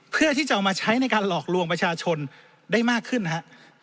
เพื่อที่จะเอามาใช้ในการหลอกลวงประชาชนได้มากขึ้นนะครับ